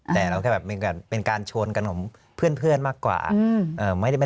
แต่เป็นการโชนกันของเพื่อนมากกว่า